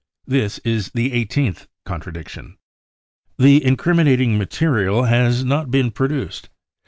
Ifhis is the eighteenth contradiction. The ^Incriminating Material has not been pro duced.